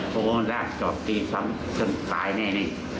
พวกมันรากจอดตีซ้ำจนตายแน่